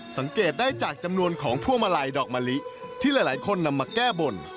สังเกตได้จากจำนวนของพวงมาลัยดอกมะลิที่หลายคนนำมาแก้บน